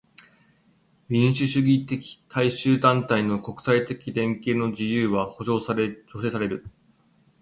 民主主義的大衆団体の国際的連携の自由は保障され助成される。